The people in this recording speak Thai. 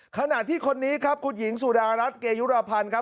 ขณะที่คนนี้ครับคุณหญิงสุดารัฐเกยุรพันธ์ครับ